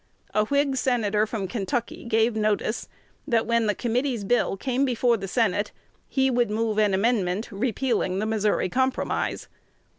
A Whig Senator from Kentucky gave notice, that, when the Committee's bill came before the Senate, he would move an amendment repealing the Missouri Compromise.